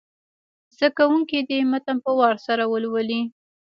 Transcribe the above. زده کوونکي دې متن په وار سره ولولي.